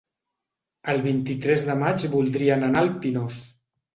El vint-i-tres de maig voldrien anar al Pinós.